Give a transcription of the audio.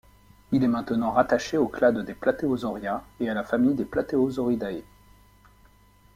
Il est maintenant rattaché au clade des Plateosauria et à la famille des Plateosauridae.